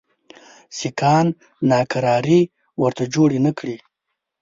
سیکهان ناکراري ورته جوړي نه کړي.